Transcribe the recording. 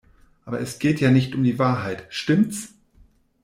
Aber es geht ja nicht um die Wahrheit, stimmts?